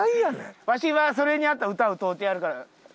わしはそれに合った歌を歌うてやるから。